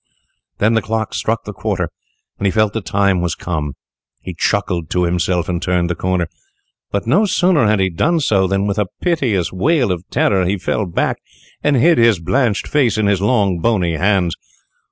Then the clock struck the quarter, and he felt the time was come. He chuckled to himself, and turned the corner; but no sooner had he done so than, with a piteous wail of terror, he fell back, and hid his blanched face in his long, bony hands.